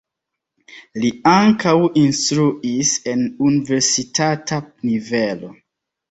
Li ankaŭ instruis en universitata nivelo.